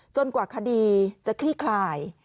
จนกว่าคดีจะขี้คลาย